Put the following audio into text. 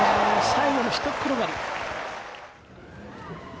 最後のひと転がり。